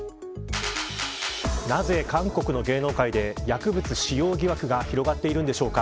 なぜ韓国の芸能界で薬物使用疑惑が広がっているんでしょうか。